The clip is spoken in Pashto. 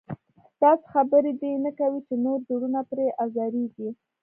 داسې خبره دې نه کوي چې نورو زړونه پرې ازارېږي.